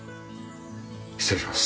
失礼します。